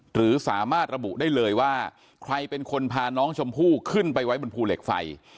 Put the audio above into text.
หรือสามารถระบุได้เลยว่าใครเป็นคนพาน้องชมพู่ขึ้นไปไว้บนภูเหล็กไฟ